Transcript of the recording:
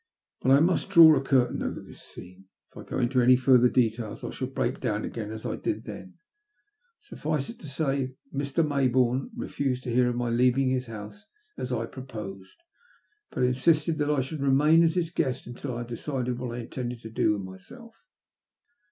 Bat I must draw a curtain over this scene. If I go into any further details I shall break down again as I did then. Suffice it that Mr. Maybourne refused to ca^ 936 THE LUST OF HATB. hear of my leaving his hoase as I proposed, but insisted that I should remain as his guest until I had decided what I intended to do with myself.